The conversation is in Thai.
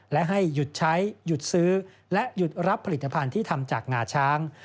และให้หยุดใช้หยุดซื้อและหยุดรับผลิตภัณฑ์ที่ทำจากงาช้าง